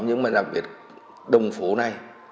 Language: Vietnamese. nhưng mà đặc biệt đồng phố này